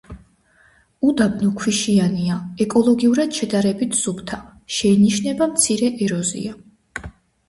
უდაბნო ქვიშიანია, ეკოლოგიურად შედარებით სუფთა, შეინიშნება მცირე ეროზია.